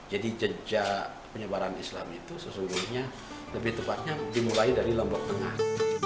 jadi jejak penyebaran islam itu sesungguhnya lebih tepatnya dimulai dari lombok tengah